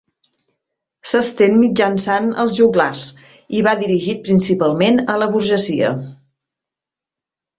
S'estén mitjançant els joglars i va dirigit principalment a la burgesia.